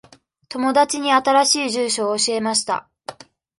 友達に新しい住所を教えました。